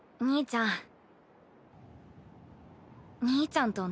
兄ちゃん